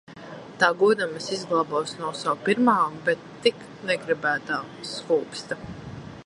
Tā godam es izglābos no sava pirmā, bet tik negribētā skūpsta.